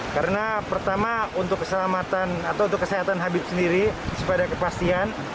karena pertama untuk keselamatan atau untuk kesehatan habib sendiri sepada kepastian